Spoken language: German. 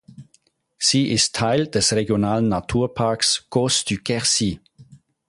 Sie ist Teil des Regionalen Naturparks Causses du Quercy.